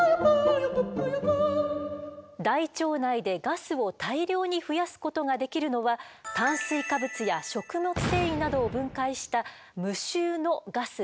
大腸内でガスを大量に増やすことができるのは炭水化物や食物繊維などを分解した無臭のガスだけです。